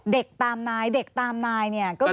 เด็กตามนายเด็กตามนายเนี่ยก็คือ